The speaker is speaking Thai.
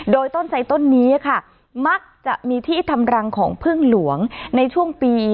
โดยต้นไสต้นนี้ค่ะมักจะมีที่ทำรังของพึ่งหลวงในช่วงปี